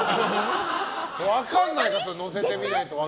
分かんないだろ載せてみないと。